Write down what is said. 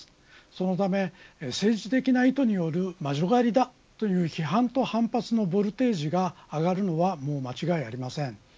そのため政治的な意図による魔女狩りだという批判と反発のボルテージが上がるのはもう間違いありません。